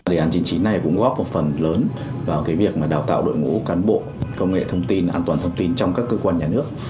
điều này cũng góp một phần lớn vào việc đào tạo đội ngũ cán bộ công nghệ thông tin an toàn thông tin trong các cơ quan nhà nước